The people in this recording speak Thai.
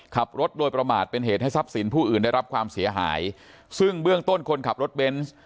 ขับรถโดยประมาทเป็นเหตุให้ทรัพย์สินผู้อื่นได้รับความเสียหายซึ่งเบื้องต้นคนขับรถเบนส์